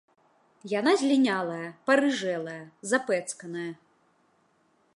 Яна злінялая, парыжэлая, запэцканая.